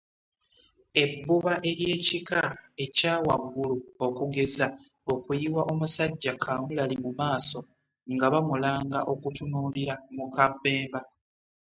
Ebuba ery'ekika ekyawaggulu okugeza okuyiwa omusajja kaamulali mu maaso nga bamulanga okutunuulira muka Bemba.